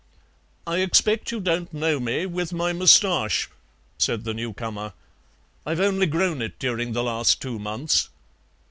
"I expect you don't know me with my moustache," said the new comer; "I've only grown it during the last two months."